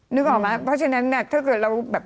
นึกออกไหมเพราะฉะนั้นเนี่ยถ้าเกิดเราแบบ